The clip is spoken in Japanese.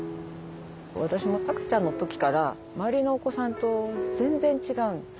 私も赤ちゃんの時から周りのお子さんと全然違う。